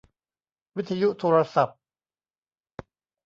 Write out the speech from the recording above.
วิทยุโทรศัพท์